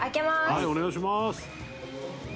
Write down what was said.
はいお願いします。